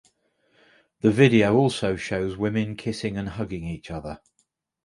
The video also shows women kissing and hugging each other.